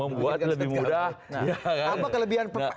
membuat lebih mudah